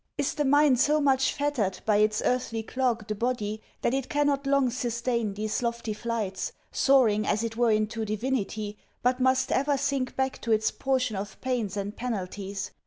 Is the mind so much fettered by its earthly clog the body, that it cannot long sustain these lofty flights, soaring as it were into divinity, but must ever sink back to its portion of pains and penalties?